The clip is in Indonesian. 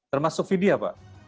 termasuk vidya pak